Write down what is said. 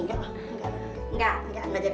nggak nggak nggak nggak jadi